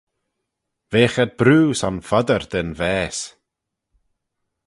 Veagh ad broo son foddyr da'n vaase.